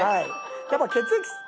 やっぱ血液。